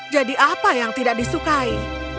jadi apa yang tidak disukai